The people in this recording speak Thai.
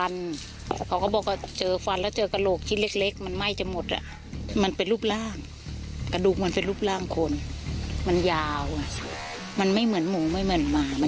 เราก็คงจะใกล้เคียง